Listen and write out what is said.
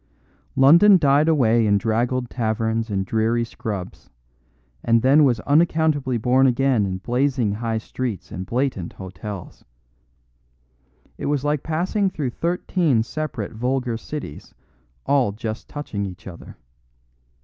London died away in draggled taverns and dreary scrubs, and then was unaccountably born again in blazing high streets and blatant hotels. It was like passing through thirteen separate vulgar cities all just touching each other.